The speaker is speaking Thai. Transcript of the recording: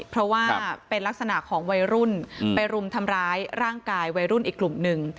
เพราะว่าเป็นลักษณะของวัยรุ่นไปรุมทำร้ายร่างกายวัยรุ่นอีกกลุ่มหนึ่ง